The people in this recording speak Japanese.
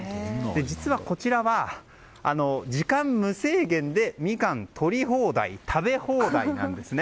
実は、こちらは時間無制限でミカン取り放題食べ放題なんですね。